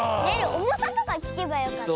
おもさとかきけばよかった。